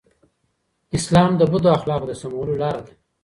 اسلام د بدو اخلاقو د سمولو لاره ده.